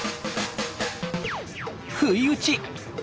不意打ち！